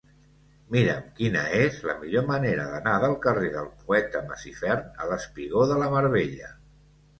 Mira'm quina és la millor manera d'anar del carrer del Poeta Masifern al espigó de la Mar Bella.